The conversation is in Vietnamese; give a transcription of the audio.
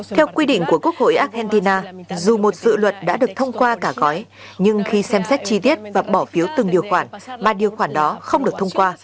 theo quy định của quốc hội argentina dù một dự luật đã được thông qua cả gói nhưng khi xem xét chi tiết và bỏ phiếu từng điều khoản mà điều khoản đó không được thông qua